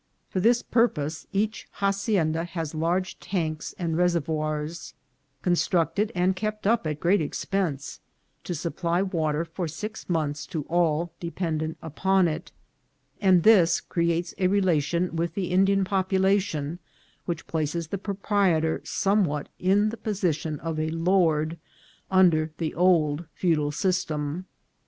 For this purpose each hacienda has large tanks and reservoirs, construct ed and kept up at great expense, to supply water for six months to all dependant upon it, and this creates a relation with the Indian population which places the proprietor somewhat in the position of a lord under the old feudal system.